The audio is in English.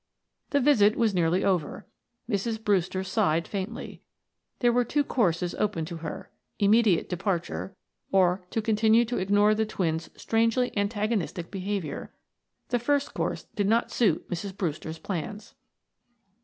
The visit was nearly over. Mrs. Brewster sighed faintly. There were two courses open to her, immediate departure, or to continue to ignore the twins' strangely antagonistic behavior the first course did not suit Mrs. Brewster's plans.